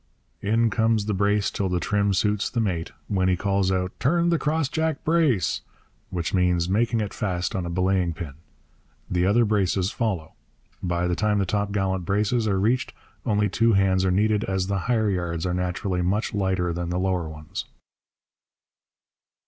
In comes the brace till the trim suits the mate, when he calls out 'Turn the crossjack brace!' which means making it fast on a belaying pin. The other braces follow. By the time the topgallant braces are reached only two hands are needed, as the higher yards are naturally much lighter than the lower ones.